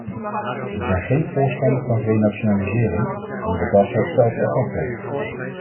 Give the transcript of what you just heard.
Ik ben geen voorstander van renationalisering, omdat dat hetzelfde effect heeft.